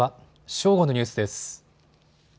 正午のニュースです。